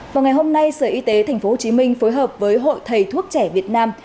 vào ngày hôm nay sở y tế tp hcm phối hợp với hội thầy thuốc trẻ việt nam